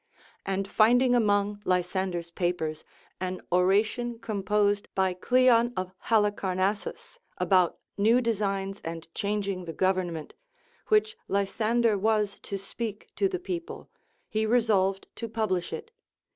And finding among Lysander's papers an oration composed by Cleon of Halicarnassus, about new desi^^ns and changing the government, which LACONIC APOPHTHEGMS. 393 Lysander Avas to speak to the people, he resolved to publish it.